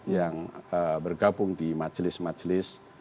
yang bergabung di majelis majelis